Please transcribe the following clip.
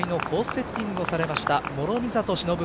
セッティングされました諸見里しのぶ